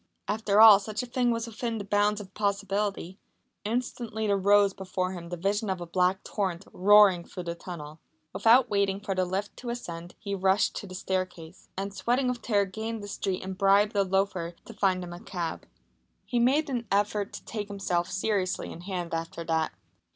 After all such a thing was within the bounds of possibility. Instantly there rose before him the vision of a black torrent roaring through the tunnel. Without waiting for the lift to ascend he rushed to the staircase, and sweating with terror gained the street and bribed a loafer to find him a cab. He made an effort to take himself seriously in hand after that.